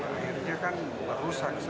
akhirnya kan merusak semua sistem pemerintah